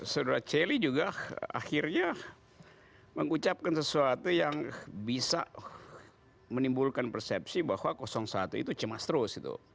saudara celi juga akhirnya mengucapkan sesuatu yang bisa menimbulkan persepsi bahwa satu itu cemas terus